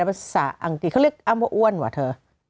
ภาษาอังกฤษเขาเรียกอ้ำว่าอ้วนว่ะเธอ